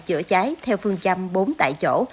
chữa cháy theo phương châm bốn tại chỗ